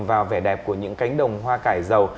vào vẻ đẹp của những cánh đồng hoa cải giàu